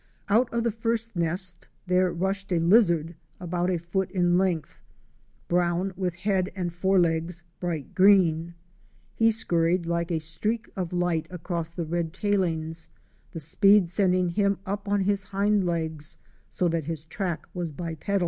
Out of the first nest there rushed a lizard about a foot in length, brown, with head and fore legs bright green. He scurried like a streak of light across the red tailings, the speed sending him up on his hind legs, so that his track was bipedal.